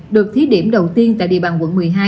được thí điểm đầu tiên tại địa bàn quận một mươi hai